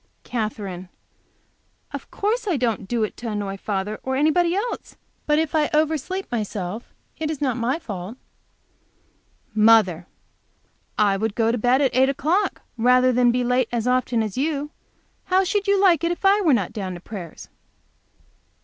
Katherine. "Of course I don't do it to annoy father or anybody else. But if I oversleep myself, it is not my fault." Mother. "I would go to bed at eight o'clock rather than be late as often as you. How should you like it if I were not down to prayers?"